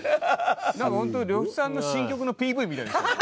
なんか本当に呂布さんの新曲のＰＶみたいでしたよね。